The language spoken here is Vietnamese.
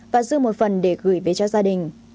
và dư một phần để gửi về cho gia đình